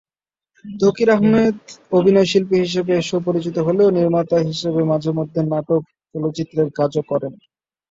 তৌকির আহমেদ অভিনয়শিল্পী হিসেবে সুপরিচিত হলেও নির্মাতা হিসেবে মাঝেমধ্যে নাটক, চলচ্চিত্রের কাজও করেন।